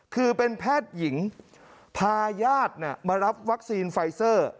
คือเป็นแพทย์หญิงพาญาติมารับวัคซีนไฟเซอร์